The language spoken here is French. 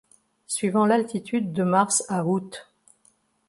Suivant l'altitude de mars à août.